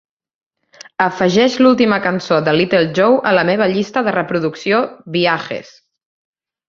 Afegeix l'última cançó de Little Joe a la meva llista de reproducció Viajes